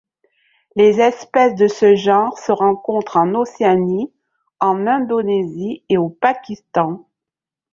Les espèces de ce genre se rencontrent en Océanie, en Indonésie et au Pakistan.